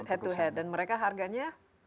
head to head dan mereka harganya